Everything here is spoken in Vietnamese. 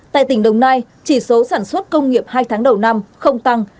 tại tỉnh đồng nai chỉ số sản xuất công nghiệp hai tháng đầu năm không tăng